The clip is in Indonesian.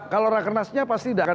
kalau rakernasnya pasti tidak akan